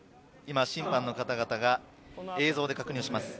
審判の方々が映像で確認します。